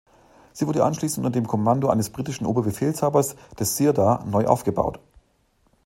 Sie wurde anschließend unter dem Kommando eines britischen Oberbefehlshabers, des Sirdar, neu aufgebaut.